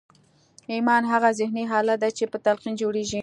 ایمان هغه ذهني حالت دی چې په تلقین جوړېږي